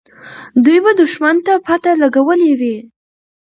دوی به دښمن ته پته لګولې وي.